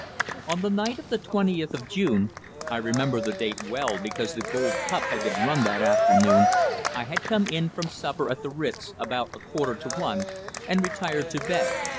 On the night of the twentieth of June I remember the date well because the Gold Cup had been run that afternoon I had come in from supper at the Ritz about a quarter to one, and retired to bed.